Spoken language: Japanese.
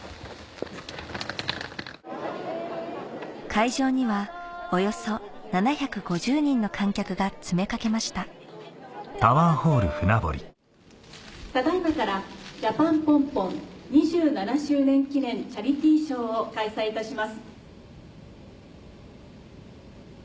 会場にはおよそ７５０人の観客が詰め掛けましたただ今からジャパンポンポン２７周年記念チャリティーショーを開催いたします。